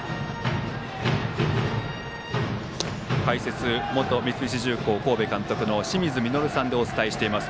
解説、元三菱重工神戸監督の清水稔さんでお伝えしています。